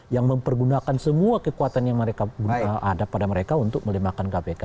yang mempergunakan semua kekuatan yang ada pada mereka untuk melemahkan kpk